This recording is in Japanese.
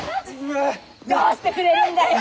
どうしてくれるんだ！